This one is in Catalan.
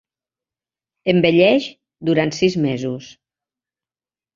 Envelleix durant sis mesos.